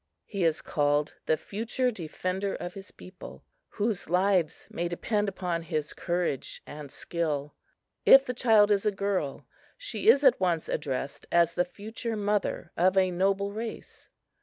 He is called the future defender of his people, whose lives may depend upon his courage and skill. If the child is a girl, she is at once addressed as the future mother of a noble race.